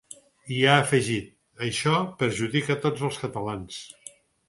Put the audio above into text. I ha afegit: Això perjudica tots els catalans.